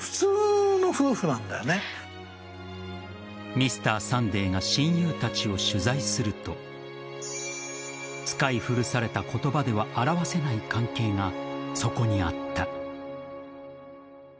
「Ｍｒ．サンデー」が親友たちを取材すると使い古された言葉では表せない関係がそこにあった。